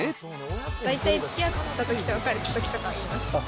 大体つきあったときと別れたときとかは言います。